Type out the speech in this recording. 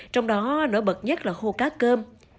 trong đó nổi bật nhất là khô cá cơm